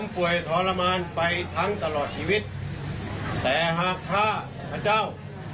ป่วยทรมานไปทั้งตลอดชีวิตแต่หากข้าข้าเจ้า